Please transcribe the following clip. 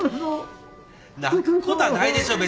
泣くことはないでしょう。